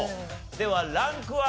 ではランクは？